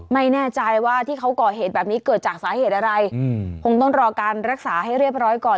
ไม่แน่ใจว่าที่เขาก่อเหตุแบบนี้เกิดจากสาเหตุอะไรคงต้องรอการรักษาให้เรียบร้อยก่อน